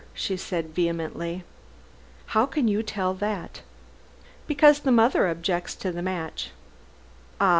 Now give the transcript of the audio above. she said vehemently. "How can you tell that?" "Because the mother objects to the match." "Ah!